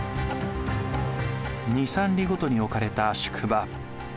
２３里ごとに置かれた宿場。